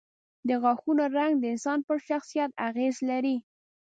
د غاښونو رنګ د انسان پر شخصیت اغېز لري.